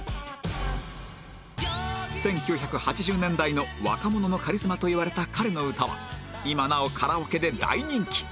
１９８０年代の若者のカリスマといわれた彼の歌は今なおカラオケで大人気